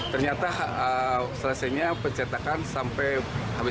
ternyata selesainya pencetakan sampai habis